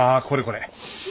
これこれ。